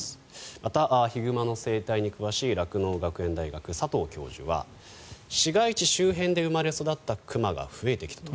また、ヒグマの生態に詳しい酪農学園大学の佐藤教授は市街地周辺で生まれ育った熊が増えてきたと。